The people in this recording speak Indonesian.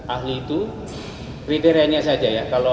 ahli itu kriterianya saja ya